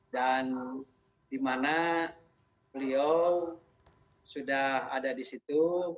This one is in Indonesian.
dan di mana beliau sudah ada di situ